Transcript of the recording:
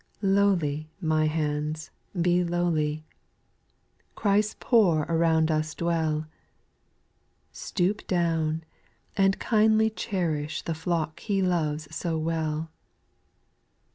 8. Lowly, my hands, be lowly ; Christ's poor around us dwell ; Stoop down, and kindly cherish The flock He loves so well.